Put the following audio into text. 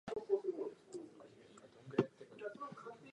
栃木県茂木町